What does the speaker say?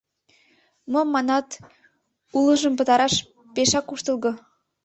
Мом манат, улыжым пытараш пешак куштылго...